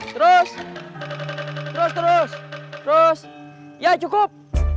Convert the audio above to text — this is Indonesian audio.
terus terus terus ya cukup